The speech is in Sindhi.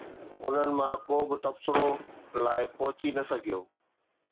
انهن مان ڪو به تبصرو لاء پهچي نه سگهيو